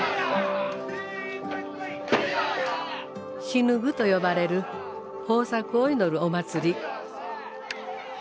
「シヌグ」と呼ばれる豊作を祈るお祭り。